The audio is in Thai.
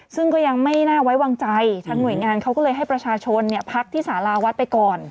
ซึ่งก็ยังไม่น่าไว้วางใจทางหน่วยงานเขาก็เลยให้ประชาชนพักที่สาราวัดไปก่อน